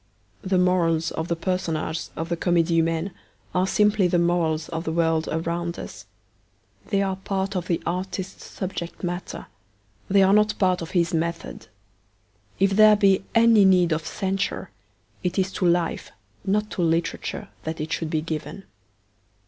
The morals of the personages of the Comedie Humaine are simply the morals of the world around us. They are part of the artist's subject matter; they are not part of his method. If there be any need of censure it is to life, not to literature, that it should be given.